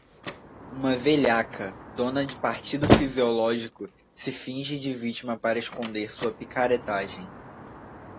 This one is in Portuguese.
Uma velhaca, dona de partido fisiológico, se finge de vítima para esconder sua picaretagem